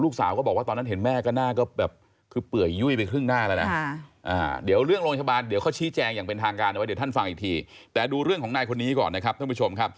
ก็คือโรงพยาบาลพระราม๒ซึ่งเป็นเอกชน